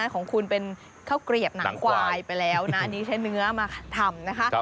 ของคุณเป็นข้าวเกลียบหนังควายไปแล้วนะอันนี้ใช้เนื้อมาทำนะคะ